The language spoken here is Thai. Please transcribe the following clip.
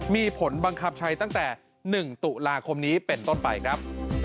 มีผลบังคับใช้ตั้งแต่๑ตุลาคมนี้เป็นต้นไปครับ